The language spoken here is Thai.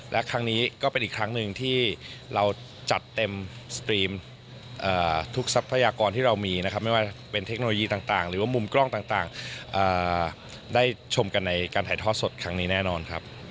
และครั้งนี้ก็เป็นอีกครั้งหนึ่งที่เราจัดเต็มสตรีมทุกทรัพยากรที่เรามีนะครับไม่ว่าเป็นเทคโนโลยีต่างหรือว่ามุมกล้องต่างได้ชมกันในการถ่ายทอดสดครั้งนี้แน่นอนครับ